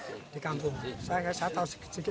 sedikit mulai kecil sampai besar saya tahu diri sendiri